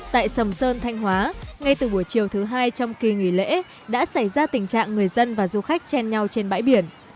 tại sầm sơn thanh hóa ngay từ buổi chiều thứ hai trong kỳ nghỉ lễ đã xảy ra tình trạng người dân và du khách chen nhau trên bãi biển